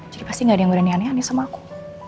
jadi pasti gak ada yang berani ani sama aku